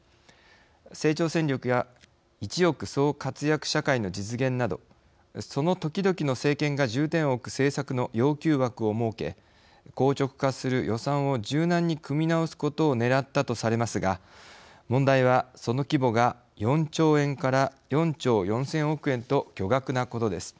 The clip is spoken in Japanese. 成長戦略や一億総活躍社会の実現などその時々の政権が重点を置く政策を示し硬直化する予算を柔軟に組み直すことをねらったとされますが問題は、その規模が４兆円から４兆４０００億円と巨額なことです。